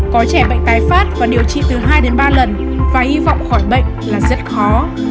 có trẻ bệnh tái phát và điều trị từ hai đến ba lần và hy vọng khỏi bệnh là rất khó